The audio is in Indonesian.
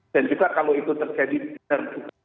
dan juga kalau itu terjadi terguna